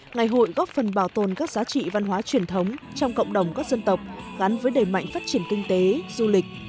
ngày hội góp phần bảo tồn các giá trị văn hóa truyền thống trong cộng đồng các dân tộc gắn với đầy mạnh phát triển kinh tế du lịch